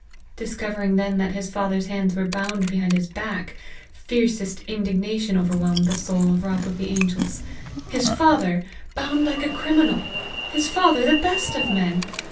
Discovering then that his father's hands were bound behind his back, fiercest indignation overwhelmed the soul of Rob of the Angels. His father bound like a criminal! his father, the best of men!